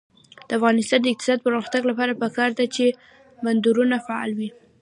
د افغانستان د اقتصادي پرمختګ لپاره پکار ده چې بندرونه فعال وي.